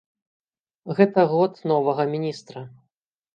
Гэта год новага міністра.